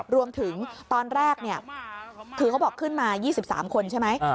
รวมถึงตอนแรกเนี่ยถึงเขาบอกขึ้นมา๒๓คนใช่ไหม